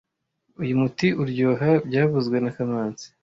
Uyu muti uryoha byavuzwe na kamanzi